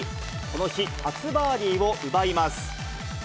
この日、初バーディーを奪います。